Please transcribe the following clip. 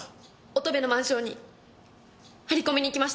乙部のマンションに張り込みに行きました。